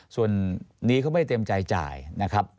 ส่วนนี้เขาไม่เต็มใจจ่ายนะครับ